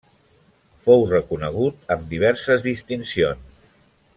Fou reconegut amb diverses distincions.